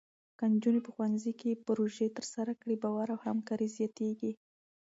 که نجونې په ښوونځي کې پروژې ترسره کړي، باور او همکاري زیاتېږي.